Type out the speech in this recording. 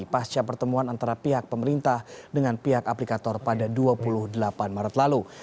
pasca pertemuan antara pihak pemerintah dengan pihak aplikator pada dua puluh delapan maret lalu